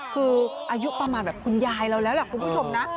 คืออายุประมาณแบบคุณยายเราแล้วล่ะคุณผู้ชมนะ